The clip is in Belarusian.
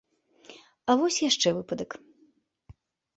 А вось яшчэ выпадак.